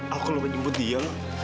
aku lupa jemput dia